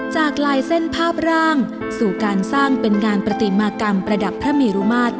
ลายเส้นภาพร่างสู่การสร้างเป็นงานปฏิมากรรมประดับพระเมรุมาตร